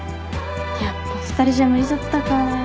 やっぱ２人じゃ無理だったかぁ。